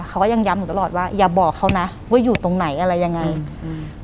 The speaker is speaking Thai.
เขาก็ยังย้ำหนูตลอดว่าอย่าบอกเขานะว่าอยู่ตรงไหนอะไรยังไงอืม